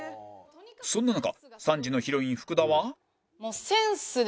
そんな中３時のヒロイン福田は